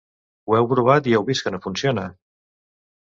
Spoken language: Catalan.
Ho heu provat i heu vist que no funciona?